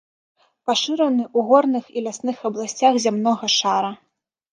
Пашыраны ў горных і лясных абласцях зямнога шара.